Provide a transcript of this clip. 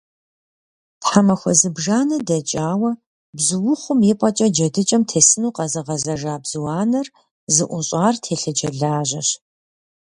Тхьэмахуэ зыбжанэ дэкӀауэ бзуухъум и пӀэкӀэ джэдыкӀэм тесыну къэзыгъэзэжа бзу анэр зыӀущӀар телъыджэ лажьэщ.